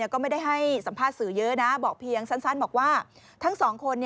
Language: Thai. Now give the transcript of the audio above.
เกือบร้อยไร่